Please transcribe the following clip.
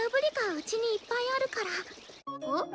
うちにいっぱいあるから。